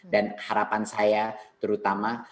dan harapan saya terutama yang terbesar adalah bahwa